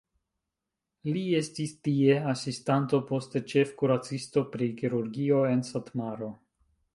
Li estis tie asistanto, poste ĉefkuracisto pri kirurgio en Satmaro.